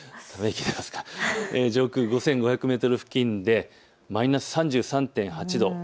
上空５５００メートル付近でマイナス３３．８度。